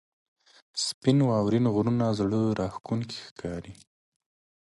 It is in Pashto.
• سپین واورین غرونه زړه راښکونکي ښکاري.